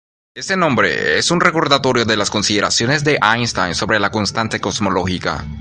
Este nombre es un recordatorio de las consideraciones de Einstein sobre la constante cosmológica.